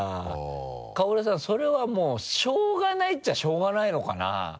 薫さんそれはもうしょうがないっていえばしょうがないのかな？